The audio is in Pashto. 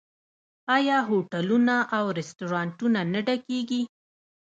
آیا هوټلونه او رستورانتونه نه ډکیږي؟